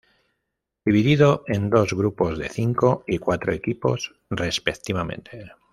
Divididos en dos grupos de cinco y cuatro equipos respectivamente.